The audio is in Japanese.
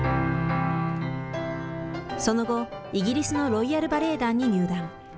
その後、イギリスのロイヤルバレエ団に入団。